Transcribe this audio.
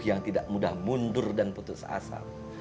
yang tidak mudah mundur dan putus asa